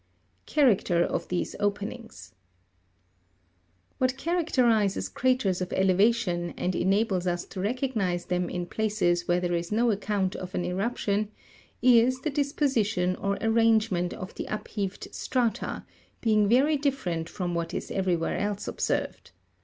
15. Character of these openings. What characterizes craters of elevation, and enables us to recognise them in places where there is no account of an eruption, is, the disposition or arrange ment of the upheaved strata, being very different from what is everywhere else observed.